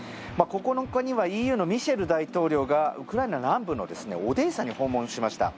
９日にはＥＵのミシェル大統領がウクライナ南部のオデーサを訪問しました。